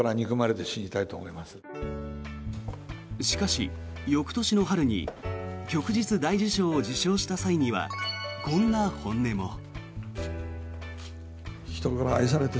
しかし、翌年の春に旭日大綬章を受章した際にはこんな本音も。